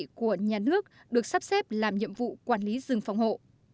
công ty trách nhiệm hữu hạn nhà nước được sắp xếp làm nhiệm vụ quản lý rừng phòng hộ